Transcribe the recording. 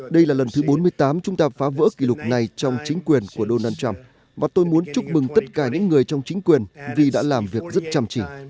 đây là lần thứ bốn mươi tám chúng ta phá vỡ kỷ lục này trong chính quyền của donald trump và tôi muốn chúc mừng tất cả những người trong chính quyền vì đã làm việc rất chăm chỉ